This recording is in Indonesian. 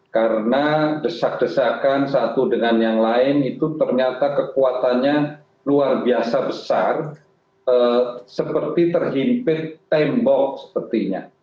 karena desak desakan satu dengan yang lain itu ternyata kekuatannya luar biasa besar seperti terhimpit tembok sepertinya